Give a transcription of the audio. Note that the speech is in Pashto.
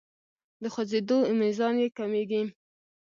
د خوځیدو میزان یې کمیږي.